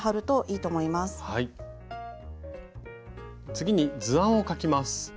次に図案を描きます。